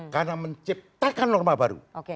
karena menciptakan norma baru